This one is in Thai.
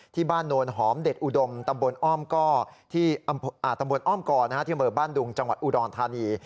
ที่บ้านโนรหอมเด็ดอุดมตำบลอ้อมก่อที่เมอร์บ้านดุงจังหวัดอุดรธานี